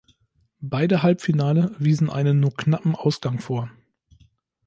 Beide Halbfinale wiesen einen nur knappen Ausgang vor.